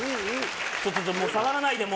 ちょっと、触らないで、もう。